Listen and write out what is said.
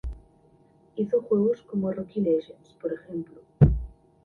Hizo juegos como Rocky Legends, por ejemplo.